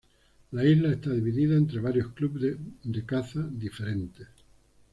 La isla está dividida entre varios clubes de caza diferentes.